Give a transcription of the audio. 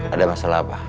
ada masalah apa